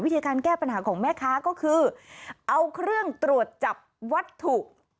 แก้ปัญหาของแม่ค้าก็คือเอาเครื่องตรวจจับวัตถุ